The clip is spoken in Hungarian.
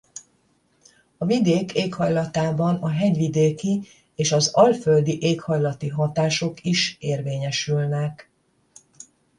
A vidék éghajlatában a hegyvidéki és az alföldi éghajlati hatások is érvényesülnek.